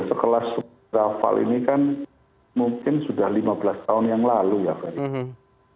sekelas rafale ini kan mungkin sudah lima belas tahun yang lalu ya verdi